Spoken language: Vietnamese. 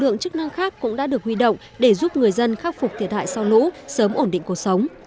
lực lượng chức năng khác cũng đã được huy động để giúp người dân khắc phục thiệt hại sau lũ sớm ổn định cuộc sống